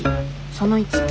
その１。